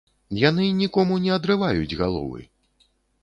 Яны нікому не адрываюць галовы!